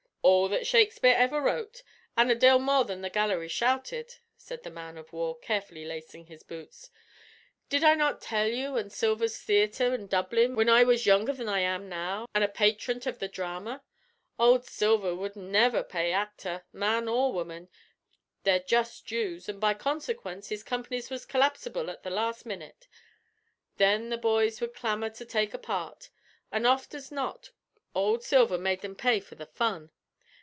"All that Shakespeare ever wrote, an' a dale more that the gallery shouted," said the man of war, carefully lacing his boots. "Did I not tell you av Silver's Theater in Dublin whin I was younger than I am now, an' a patron av the drama? Ould Silver wud never pay actor, man or woman, their just dues, an' by consequence his comp'nies was collapsible at the last minut. Then the bhoys would clamor to take a part, an' oft as not ould Silver made them pay for the fun.